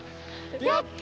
やった！